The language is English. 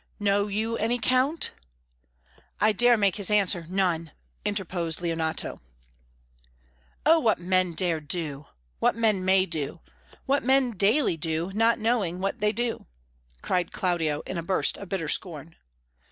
"Know you any, Count?" "I dare make his answer, none," interposed Leonato. "Oh, what men dare do! what men may do! what men daily do, not knowing what they do!" cried Claudio, in a burst of bitter scorn.